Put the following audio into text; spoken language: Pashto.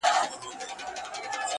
او نه هېرېدونکي پاتې کيږي ډېر,